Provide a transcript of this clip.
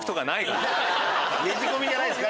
ねじ込みじゃないんすか？